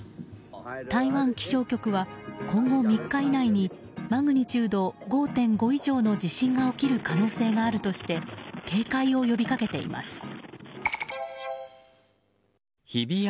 台湾気象局は今後３日以内にマグニチュード５．５以上の地震が起きる可能性があるとして警戒を呼びかけています。